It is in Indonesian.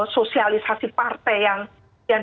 sosialisasi partai yang